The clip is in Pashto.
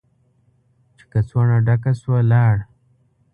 چې کڅوړه ډکه شوه، لاړ.